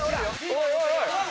おいおいおい！